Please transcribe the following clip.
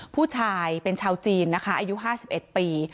ผู้ชายเป็นชาวจีนนะคะอายุ๕๑ปี